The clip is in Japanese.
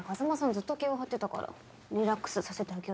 ずっと気を張ってたからリラックスさせてあげようと思って。